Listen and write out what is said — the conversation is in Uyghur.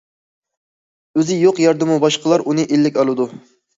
ئۆزى يوق يەردىمۇ باشقىلار ئۇنى ئىلىك ئالىدۇ.